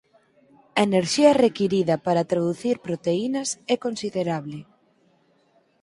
A enerxía requirida para traducir proteínas é considerable.